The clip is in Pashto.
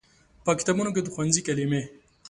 په کتابونو کې د ښوونځي کلمې